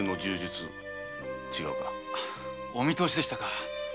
お見とおしでしたか。